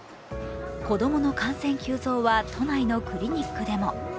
子供の感染急増は都内のクリニックでも。